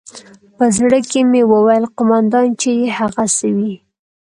په زړه کښې مې وويل قومندان چې يې هغسې وي.